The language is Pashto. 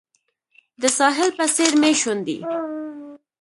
د ساحل په څیر مې شونډې